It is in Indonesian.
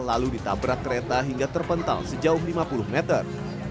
lalu ditabrak kereta hingga terpental sejauh lima puluh meter